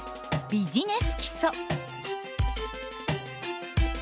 ビジネス基礎。